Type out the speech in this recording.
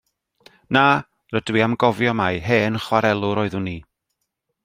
Na, rydw i am gofio mai hen chwarelwr oeddwn i.